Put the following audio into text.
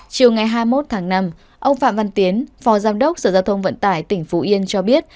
chiều ngày hai mươi một tháng năm ông phạm văn tiến phó giám đốc sở giao thông vận tải tỉnh phú yên cho biết